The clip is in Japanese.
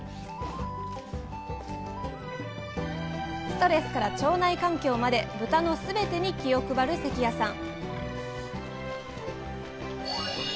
ストレスから腸内環境まで豚のすべてに気を配る関谷さん。